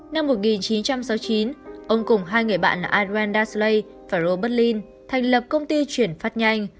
năm một nghìn chín trăm sáu mươi chín ông cùng hai người bạn là adrian darsley và robert lynn thành lập công ty chuyển phát nhanh